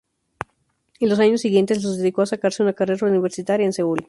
Y los años siguientes los dedicó a sacarse una carrera universitaria en Seúl.